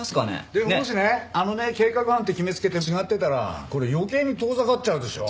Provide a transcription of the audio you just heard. でももしねあのね計画犯って決めつけて違ってたらこれ余計に遠ざかっちゃうでしょ！